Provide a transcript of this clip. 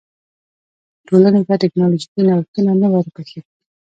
ټولنې ته ټکنالوژیکي نوښتونه نه وربښي.